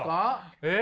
えっ？